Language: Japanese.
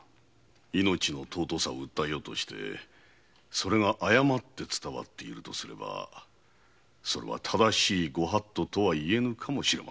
命の尊さを訴えようとしてそれが誤って伝わっているとすれば正しいご法度とは言えぬかもしれませんな。